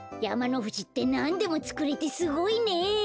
やまのふじってなんでもつくれてすごいね。